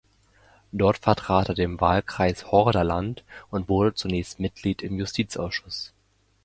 Dort vertrat er den Wahlkreis Hordaland und wurde zunächst Mitglied im Justizausschuss.